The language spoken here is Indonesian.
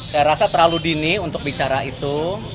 saya rasa terlalu dini untuk bicara itu